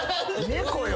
猫よ。